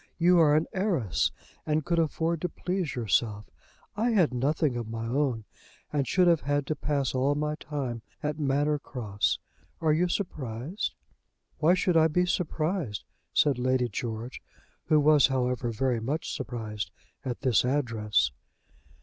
You are an heiress, and could afford to please yourself. I had nothing of my own, and should have had to pass all my time at Manor Cross. Are you surprised?" "Why should I be surprised?" said Lady George, who was, however, very much surprised at this address.